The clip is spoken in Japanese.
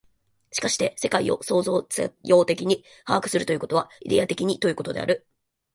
しかして世界を創造作用的に把握するということは、イデヤ的にということである。